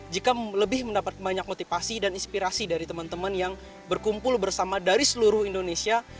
jika lebih mendapat banyak motivasi dan inspirasi dari teman teman yang berkumpul bersama dari seluruh indonesia